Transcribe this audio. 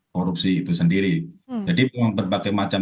korupsi itu sendiri jadi berbagai macam